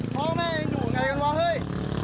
พ่อแม่ยอิงดูนะง่ายกันวะเฮ้ย